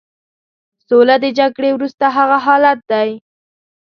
سوله د جګړې وروسته هغه حالت دی.